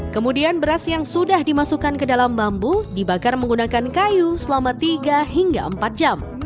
kemudian beras yang sudah dimasukkan ke dalam bambu dibakar menggunakan kayu selama tiga hingga empat jam